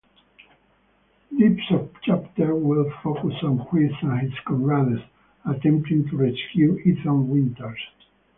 This sub-chapter will focus on Chris and his comrades attempting to rescue Ethan Winters.